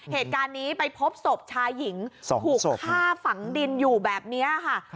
เหตุการณ์นี้ไปพบศพชายหญิงถูกฆ่าฝังดินอยู่แบบนี้ค่ะ